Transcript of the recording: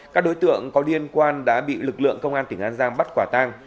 các đối tượng có liên quan đã bị lực lượng công an tỉnh an giang bắt quả tang